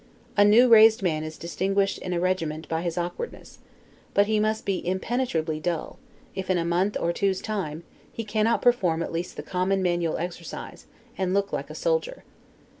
A new raised man is distinguished in a regiment by his awkwardness; but he must be impenetrably dull, if, in a month or two's time, he cannot perform at least the common manual exercise, and look like a soldier.